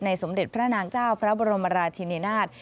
สมเด็จพระนางเจ้าพระบรมราชินินาศ